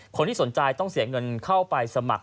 คนที่สนใจต้องเสียเงินเข้าไปสมัคร